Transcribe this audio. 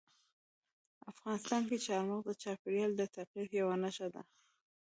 افغانستان کې چار مغز د چاپېریال د تغیر یوه نښه ده.